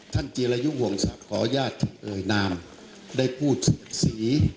ท่านเจียรายุห่วงศัพท์ขอญาติชีเอยนามได้พูดศึกษี